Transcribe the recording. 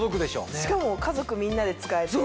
しかも家族みんなで使えて。